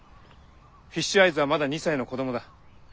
フィッシュアイズはまだ２歳の子供だ。